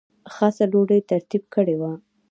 خاصه ډوډۍ ترتیب کړې وه.